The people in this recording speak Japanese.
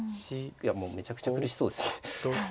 いやもうめちゃくちゃ苦しそうです。